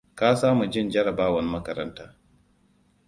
Ka saamu jin jarabawan makaranta.